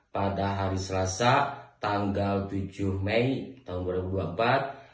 pada hari selasa tanggal tujuh mei tahun dua ribu dua puluh empat